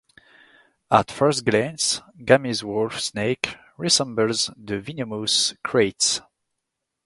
At first glance, Gammie's wolf snake resembles the venomous kraits.